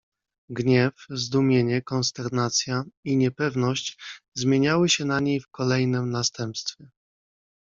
"Gniew, zdumienie, konsternacja i niepewność zmieniały się na niej w kolejnem następstwie."